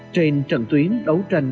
trên trận tuyến đấu tranh